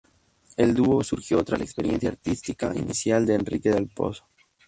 El dúo surgió tras la experiencia artística inicial de Enrique del Pozo.